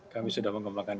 kami sudah mengembangkan